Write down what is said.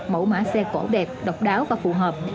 mẫu mã xe cổ đẹp độc đáo và phù hợp